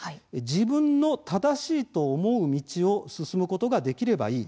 自分の正しいと思う道を進むことができればいい。